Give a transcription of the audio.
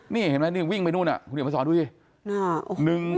นี่เห็นไหมนี่วิ่งไปนู่นคุณเดี๋ยวมาสอนดูสิ